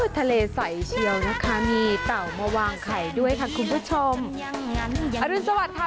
ทะเลใสเชียวนะคะมีเต่ามาวางไข่ด้วยค่ะคุณผู้ชมอรุณสวัสดิค่ะ